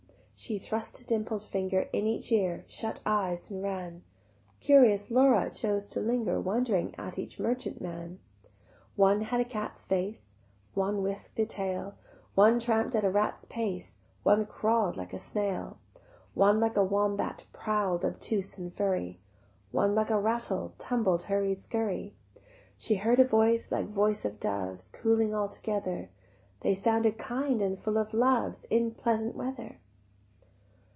She thrust a dimpled finger In each ear, shut eyes and ran: Curious Laura chose to linger Wondering at each merchant man. One had a cat's face, One whisk'd a tail, One tramp'd at a rat's pace, One crawl'd like a snail, One like a wombat prowl'd obtuse and furry, One like a ratel tumbled hurry skurry. She heard a voice like voice of doves Cooing all together: They sounded kind and full of loves In the pleasant weather.